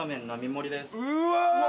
うわ！